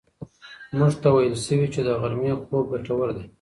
موږ ته ویل شوي چې د غرمې خوب ګټور دی.